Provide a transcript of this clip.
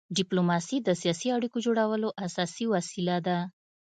ډيپلوماسي د سیاسي اړیکو جوړولو اساسي وسیله ده.